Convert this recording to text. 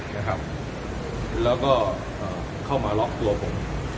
แล้วก็เข้ามาล็อกตัวผม